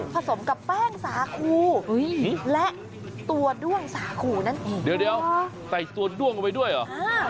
สมกับแป้งสาคูและตัวด้วงสาคูนั่นเองเดี๋ยวใส่ตัวด้วงเอาไว้ด้วยเหรอ